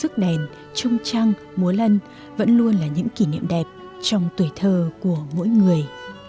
sức đèn trung trăng múa lân vẫn luôn là những kỷ niệm đẹp trong tuổi thơ của mỗi người